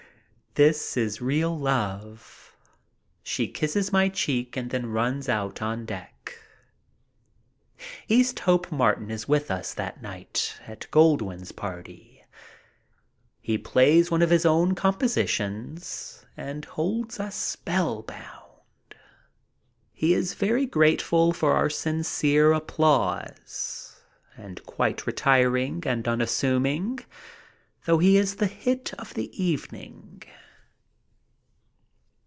This is real love. She kisses my cheek and then runs out on deck. Easthope Martin is with us that night at Goldwyn's party. He plays one of his own compositions and holds us spellbound. He is very grateful for our sincere applause and quite retiring and unassuming, though he is the hit of the evening.